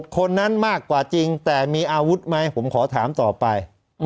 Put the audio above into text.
คนนั้นมากกว่าจริงแต่มีอาวุธไหมผมขอถามต่อไป